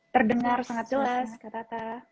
terdengar sangat jelas kak tata